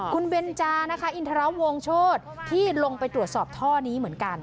คุณเบนจานะคะอินทรวงโชธที่ลงไปตรวจสอบท่อนี้เหมือนกัน